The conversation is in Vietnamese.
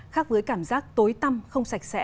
khác với cảm giác tối tâm không sạch sẽ